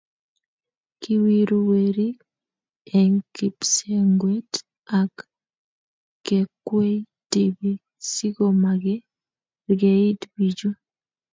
Kiwiru werik eng kipsengwet ak kekwei tibik sikomakerkeit bichu?